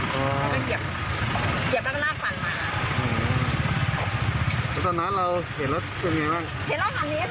เห็นรถทางนี้ค่ะแล้วค่ะโดนทำได้ไม่ถูกแล้วค่ะ